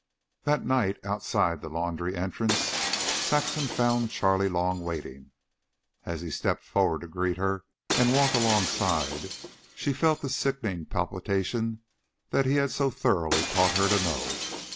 That night, outside the laundry entrance, Saxon found Charley Long waiting. As he stepped forward to greet her and walk alongside, she felt the sickening palpitation that he had so thoroughly taught her to know.